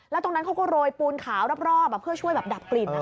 แล้วตรงนั้นเขาก็โรยปูนขาวรอบเพื่อช่วยแบบดับกลิ่น